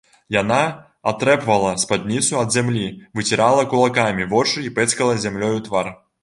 Яна атрэпвала спадніцу ад зямлі, выцірала кулакамі вочы і пэцкала зямлёю твар.